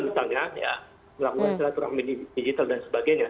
melakukan selaturan mini digital dan sebagainya